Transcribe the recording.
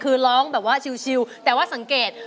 คือร้องแบบว่าชิวแต่ว่าสังเกต